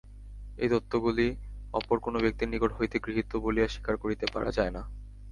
ঐ তত্ত্বগুলি অপর কোন ব্যক্তির নিকট হইতে গৃহীত বলিয়া স্বীকার করিতে পারা যায় না।